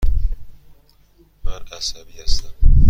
من عصبی هستم.